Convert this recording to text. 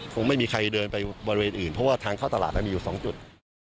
คงไม่มีใครเดินไปบริเวณอื่นเพราะว่าทางเข้าตลาดมีอยู่๒จุด